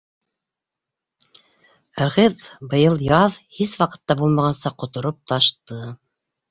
Ырғыҙ быйыл яҙ, һис ваҡытта булмағанса, ҡотороп ташты.